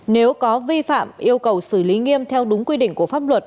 nếu có vi phạm yêu cầu xử lý nghiêm theo đúng quy định của pháp luật